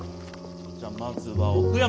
じゃまずは奥山。